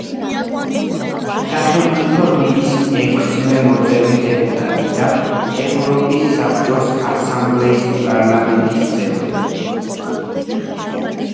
სახელმწიფო დუმის ექვსივე მოწვევის დეპუტატი და ევროპის საბჭოს ასამბლეის პარლამენტის წევრი.